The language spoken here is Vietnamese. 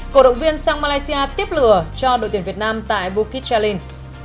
cổ động viên sang malaysia tiếp lửa cho đội tuyển việt nam tại bukit jalil